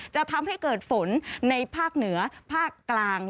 จะทำให้เกิดฝนในภาคเหนือภาคกลาง